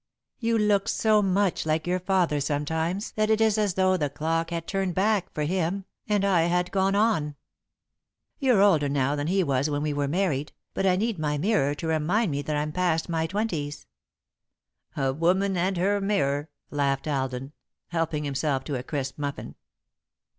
You look so much like your father sometimes that it is as though the clock had turned back for him and I had gone on. You're older now than he was when we were married, but I need my mirror to remind me that I'm past my twenties." "A woman and her mirror," laughed Alden, helping himself to a crisp muffin.